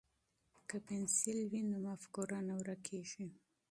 که پنسل وي نو مفکوره نه ورکیږي.